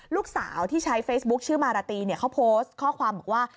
ลูกสาวที่ใช้เฟซบุ๊คชื่อมาราตรีเนี่ยเขาโพสต์ข้อความบอกว่า